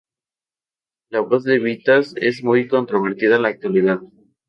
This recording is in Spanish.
La voz de Vitas es muy controvertida en la actualidad.